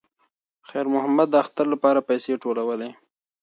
خیر محمد د اختر لپاره پیسې ټولولې.